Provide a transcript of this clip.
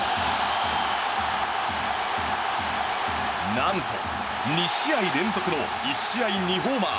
何と２試合連続の１試合２ホーマー。